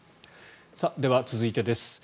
では、続いてです。